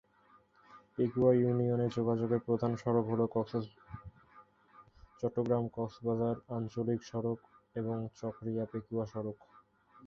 পেকুয়া ইউনিয়নে যোগাযোগের প্রধান সড়ক হল চট্টগ্রাম-কক্সবাজার আঞ্চলিক সড়ক এবং চকরিয়া-পেকুয়া সড়ক।